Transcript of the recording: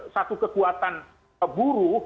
satu kekuatan buruh